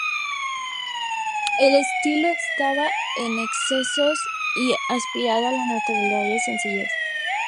El estilo evitaba excesos, aspirando a la naturalidad y sencillez.